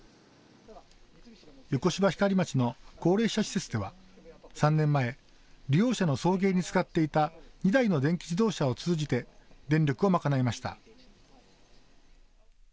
横芝光町の高齢者施設では３年前、利用者の送迎に使っていた２台の電気自動車を通じて電力を賄いました。